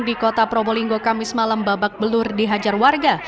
di kota probolinggo kamis malam babak belur dihajar warga